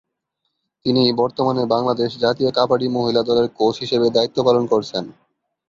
তিনি বর্তমানে বাংলাদেশ জাতীয় কাবাডি মহিলা দলের কোচ হিসেবে দায়িত্ব পালন করেছেন।